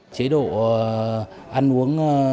chế độ ăn uống được giảm